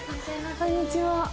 こんにちは。